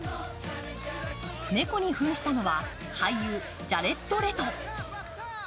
猫に扮したのは俳優、ジャレッド・レト。